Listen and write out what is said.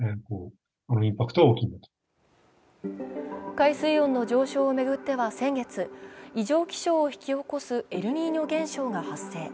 海水温の上昇を巡っては先月、異常気候を巻き起こす、エルニーニョ現象が発生。